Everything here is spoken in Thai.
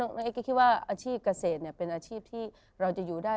น้องเอ๊ก็คิดว่าอาชีพเกษตรเป็นอาชีพที่เราจะอยู่ได้